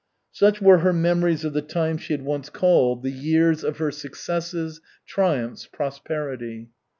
Such were her memories of the time she had once called the years of her successes, triumphs, prosperity.